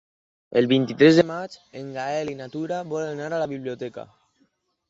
El vint-i-tres de maig en Gaël i na Tura volen anar a la biblioteca.